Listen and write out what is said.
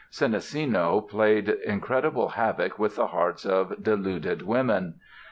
Senesino played incredible havoc with the hearts of deluded women.